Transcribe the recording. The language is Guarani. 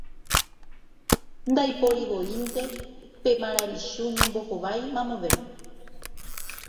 Ndaiporivoínte pe maravichu ñembohovái mamove.